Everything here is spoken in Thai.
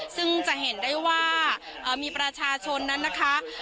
ซึ่งจะเห็นได้ว่ามีประชาชนนั้นนะคะ